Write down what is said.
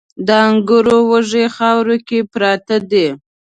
د انګورو وږي خاورو کې پراته دي